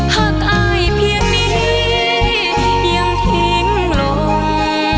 หากอายเพียงนี้ยังทิ้งลง